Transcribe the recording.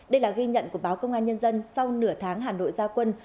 đây là ghi nhận của báo công an nhân dân sau nửa tháng hà nội gia quân